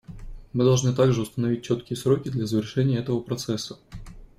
Мы должны также установить четкие сроки для завершения этого процесса.